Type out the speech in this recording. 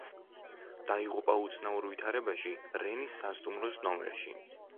დაიღუპა უცნაურ ვითარებაში რენის სასტუმროს ნომერში.